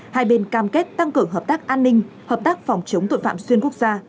hai bên cam kết tăng cường hợp tác an ninh hợp tác phòng chống tội phạm xuyên quốc gia